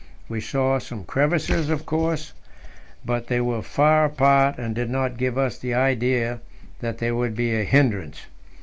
We saw some crevasses, of course, but they were far apart, and did not give us the idea that they would be a hindrance.